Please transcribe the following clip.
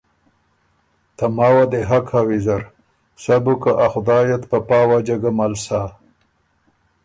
ته ماوه دې حق هۀ ویزر، سَۀ بو که ا خدای ات په پا وجه ګۀ مل سَۀ